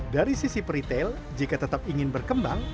dari sisi per retail jika tetap ingin berkembang